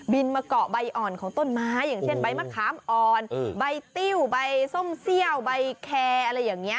บินมาเกาะใบอ่อนของต้นไม้อย่างเช่นใบมะคามอ่อนใบเตี้ยวใบส้มเสี่ยวใบแคร